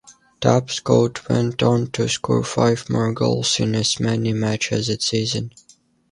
Tapscott went on to score five more goals in as many matches that season.